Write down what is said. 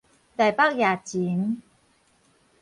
台北驛前